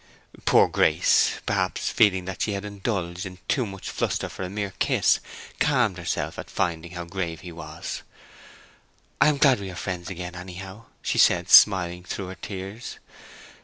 Poor Grace, perhaps feeling that she had indulged in too much fluster for a mere kiss, calmed herself at finding how grave he was. "I am glad we are friends again anyhow," she said, smiling through her tears.